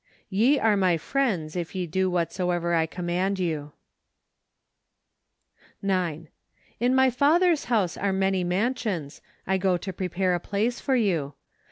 " Ye are my friends, if ye do whatsoever I com¬ mand you" APRIL. 41 9. f * In my Father's house are many mansions ; I go to prepare a place for you."